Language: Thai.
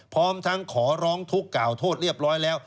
พร้อมทั้งขอร้องทุกข์กล่าวโทษเรียบร้อยแล้ว